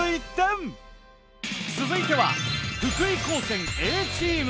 続いては福井高専Ａチーム。